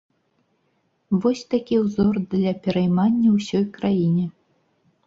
Вось такі ўзор для пераймання ўсёй краіне.